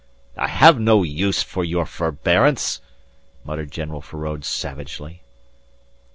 "I have no use for your forbearance," muttered General Feraud savagely.